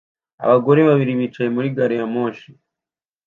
Abagore babiri bicaye muri gari ya moshi